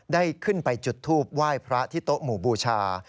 ได้ขึ้นไปจุดทูปไหว้พระที่โต๊ะหมู่บูชา